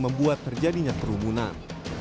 membuat terjadinya terumunan